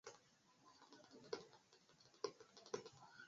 Danubo estas ne tro for.